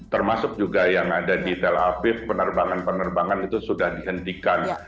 termasuk juga yang ada di tel aviv penerbangan penerbangan itu sudah dihentikan